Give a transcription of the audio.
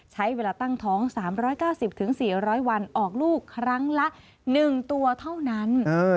ใช้เวลาตั้งท้อง๓๙๐๔๐๐วันออกลูกครั้งละ๑ตัวเท่านั้น